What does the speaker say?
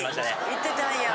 行ってたんや。